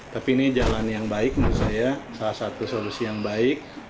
tapi ini jalan yang baik menurut saya salah satu solusi yang baik